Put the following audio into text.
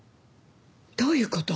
どういう事？